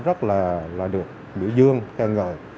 rất là được biểu dương khen ngợi